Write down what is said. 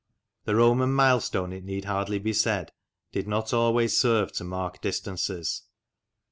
The Roman milestone, it need hardly be said, did not always serve to mark distances.